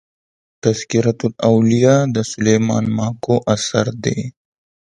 تذکرة الاولياء د سلېمان ماکو اثر دئ.